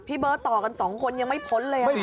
พี่เบอร์ต่อกัน๒คนยังไม่พ้นเลยค่ะ